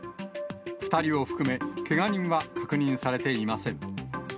２人を含め、けが人は確認されていません。